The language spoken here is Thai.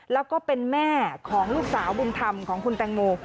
แล้วก็เป็นแม่ของลูกสาวบุญธรรมของคุณแตงโม